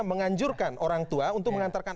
menganjurkan orang tua untuk mengantarkan